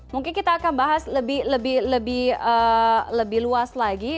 mungkin kita akan bahas lebih lebih lebih lebih luas lagi